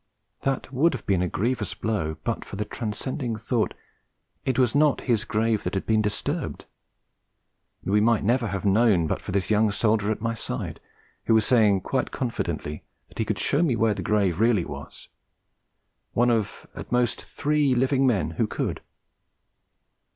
That would have been a grievous blow but for the transcending thought it was not his grave that had been disturbed! And we might never have known but for this young soldier at my side who was saying quite confidently that he could show me where the grave really was! One of at most three living men who could!